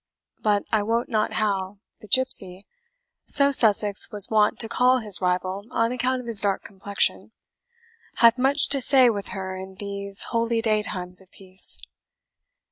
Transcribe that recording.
But I wot not how the gipsy" (so Sussex was wont to call his rival on account of his dark complexion) "hath much to say with her in these holyday times of peace.